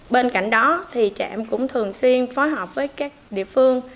bên cạnh đó thì trạm cũng thường xuyên phối hợp với các địa phương